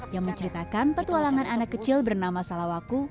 yang menceritakan petualangan anak kecil bernama salawaku